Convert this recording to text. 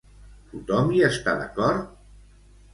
Tothom hi està d'acord?